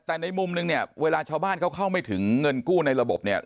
แต่ในมุมนึงเนี่ยเวลาชาวบ้านเขาเข้าไม่ถึงเงินกู้ในระบบเนี่ย